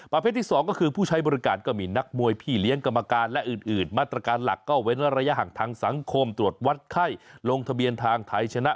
ที่๒ก็คือผู้ใช้บริการก็มีนักมวยพี่เลี้ยงกรรมการและอื่นมาตรการหลักก็เว้นระยะห่างทางสังคมตรวจวัดไข้ลงทะเบียนทางไทยชนะ